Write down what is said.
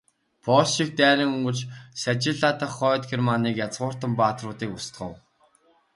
Польшийг дайран өнгөрч, Сайлижиа дахь Хойд Германы язгууртан баатруудыг устгав.